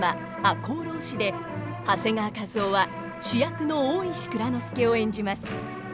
「赤穂浪士」で長谷川一夫は主役の大石内蔵助を演じます。